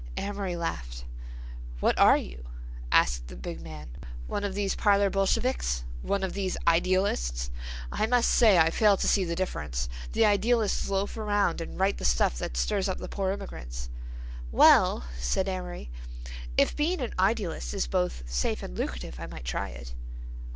Amory laughed. "What are you," asked the big man, "one of these parlor Bolsheviks, one of these idealists? I must say I fail to see the difference. The idealists loaf around and write the stuff that stirs up the poor immigrants." "Well," said Amory, "if being an idealist is both safe and lucrative, I might try it."